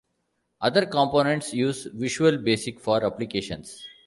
Other components use Visual Basic for Applications.